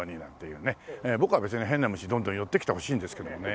僕は別に変な虫どんどん寄って来てほしいんですけどもね。